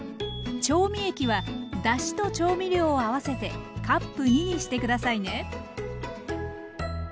調味液はだしと調味料を合わせてカップに２にして下さいね。